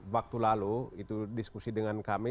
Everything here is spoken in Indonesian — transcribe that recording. waktu lalu itu diskusi dengan kami